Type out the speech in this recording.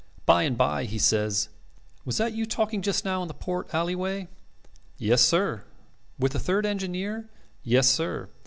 By and by he says: 'Was that you talking just now in the port alleyway?' 'Yes, sir.' 'With the third engineer?' 'Yes, sir.'